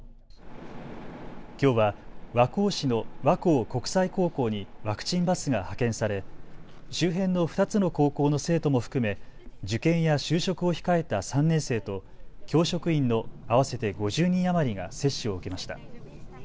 きょうは和光市の和光国際高校にワクチンバスが派遣され周辺の２つの高校の生徒も含め受験や就職を控えた３年生と教職員の合わせて５０人余りが接種を受けました。